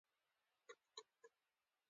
هرات پوهنتون ولې مشهور دی؟